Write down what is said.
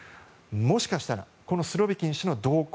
もしかしたらこのスロビキン氏の動向